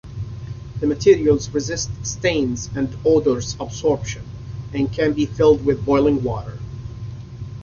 The materials resist stains and odors absorption, and can be filled with boiling water.